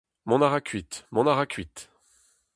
Mont a ra kuit, mont a ra kuit !